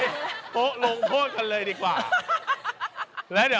ยืนศั่นอยู่อย่างเนี้ย